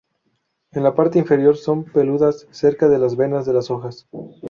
En la parte inferior son peludas cerca de las venas de las hojas.